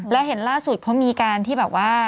แล้วเห็นล่าสุดเขามีการที่แบบว่า